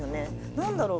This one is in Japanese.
何だろう